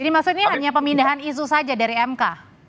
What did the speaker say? jadi maksudnya hanya pemindahan isu saja dari mk